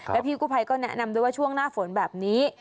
แล้วพี่กู้ภัยก็แนะนำด้วยว่าช่วงหน้าฝนแบบนี้